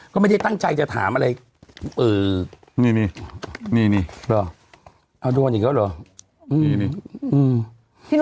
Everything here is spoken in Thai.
ก็ไม่ได้ตั้งใจจะถามอะไร